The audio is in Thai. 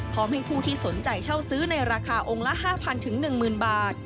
พร้อมให้ผู้ที่สนใจเช่าซื้อในราคาองค์ละ๕๐๐๑๐๐บาท